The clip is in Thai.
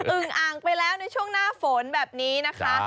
ึงอ่างไปแล้วในช่วงหน้าฝนแบบนี้นะคะ